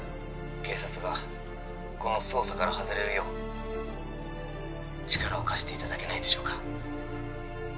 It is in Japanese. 警察がこの捜査から外れるよう力を貸していただけないでしょうか